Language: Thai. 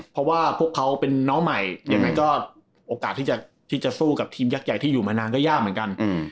เพราะว่าพวกเขาเป็นน้องใหม่ยังไงก็โอกาสที่จะสู้กับทีมยักษ์ใหญ่ที่อยู่มานานก็ยากเหมือนกัน